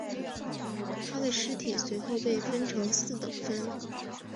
他的尸体随后被分成四等分。